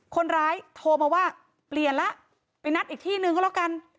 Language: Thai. คนร้ายโทรมาว่าเปลี่ยนแล้วไปนัดอีกที่นึงก็แล้วกัน